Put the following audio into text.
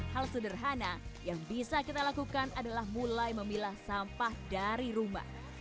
hal sederhana yang bisa kita lakukan adalah mulai memilah sampah dari rumah